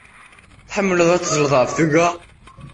Tḥemmleḍ ad teẓẓleḍ ɣef tuga.